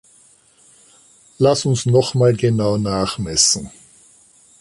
Lass uns noch mal genau nachmessen.